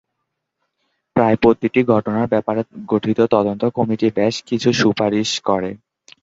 প্রায় প্রতিটি ঘটনার ব্যাপারে গঠিত তদন্ত কমিটি বেশ কিছু সুপারিশ করে।